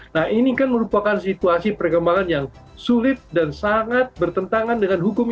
nah ini kan merupakan situasi perkembangan yang sulit dan sangat bertentangan dengan hukum